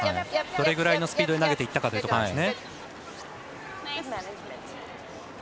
どれぐらいのスピードで投げていったかということですね。